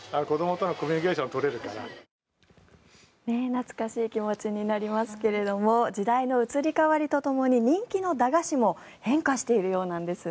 懐かしい気持ちになりますけれども時代の移り変わりとともに人気の駄菓子も変化しているようなんです。